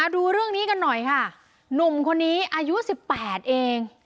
ดูเรื่องนี้กันหน่อยค่ะหนุ่มคนนี้อายุ๑๘เอง